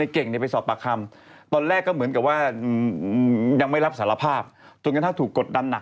ก็มีการมาโพสต์ในเฟซบุ๊คว่า